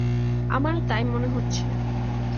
আমারো তাই মনে হচ্ছে।